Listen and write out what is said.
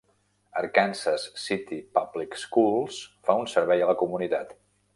Arkansas City Public Schools fa un servei a la comunitat.